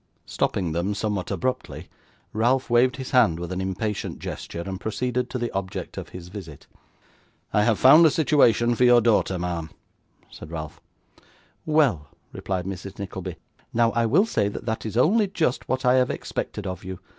Stopping them somewhat abruptly, Ralph waved his hand with an impatient gesture, and proceeded to the object of his visit. 'I have found a situation for your daughter, ma'am,' said Ralph. 'Well,' replied Mrs. Nickleby. 'Now, I will say that that is only just what I have expected of you.